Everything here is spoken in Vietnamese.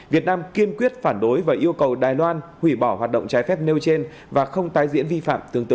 việt nam kiên quyết phản đối và yêu cầu đài loan hủy bỏ hoạt động trái phép nêu trên và không tái diễn vi phạm tương tự